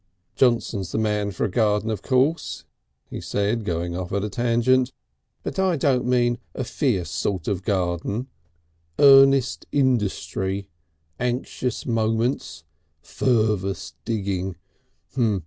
Johnson's the man for a garden of course," he said, going off at a tangent, "but I don't mean a fierce sort of garden. Earnest industry. Anxious moments. Fervous digging.